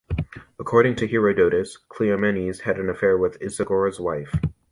According to Herodotus, Cleomenes had had an affair with Isagoras' wife.